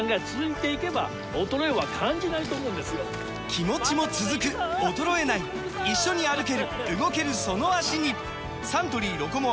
気持ちも続く衰えない一緒に歩ける動けるその脚にサントリー「ロコモア」！